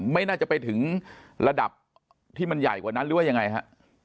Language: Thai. ไม่น่าจะไปถึงระดับที่มันใหญ่กว่านั้นหรือว่ายังไงฮะ